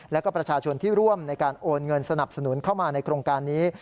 และก็ประชาชนที่ร่วมในการโอนเงินสนับสนุนเข้ามาในโครงการนี้